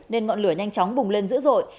nên ngọn lửa nhanh chóng bùng lên dữ dội